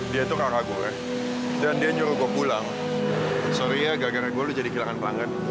dia tuh kakak gue dan dia nyuruh gue pulang sorry ya gara gara gue jadi lo kehilangan pangkat